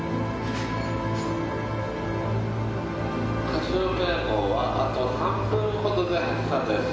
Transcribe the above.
「カシオペア号はあと３分ほどで発車です」